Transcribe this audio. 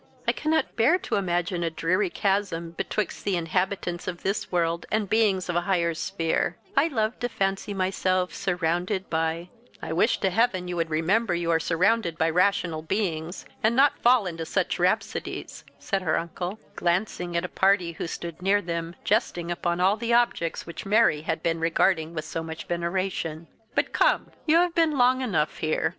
I cannot bear to imagine a dreary chasm betwixt the inhabitants of this world and beings of a higher sphere; I love to fancy myself surrounded by " "I wish to heaven you would remember you are surrounded by rational beings, and not fall into such rhapsodies," said her uncle, glancing at a party who stood near them, jesting upon all the objects which Mary had been regarding with so much veneration. "But come, you have been long enough here.